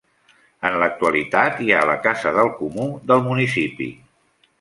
En l'actualitat hi ha la casa del comú del municipi.